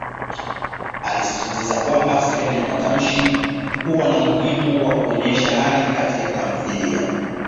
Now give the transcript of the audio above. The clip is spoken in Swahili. Alisisitiza kwamba sehemu ya matamshi huwa na umuhimu wa kuonyesha hali Kati ka tamthilia.